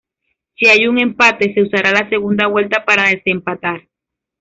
Si hay un empate, se usará la segunda vuelta para desempatar.